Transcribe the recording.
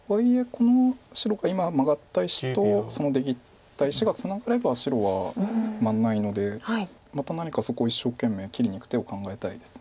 この白が今マガった石とその出切った石がツナがれば白は不満ないのでまた何かそこを一生懸命切りにいく手を考えたいです。